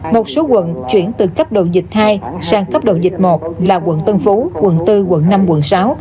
một số quận chuyển từ cấp độ dịch hai sang cấp độ dịch một là quận tân phú quận bốn quận năm quận sáu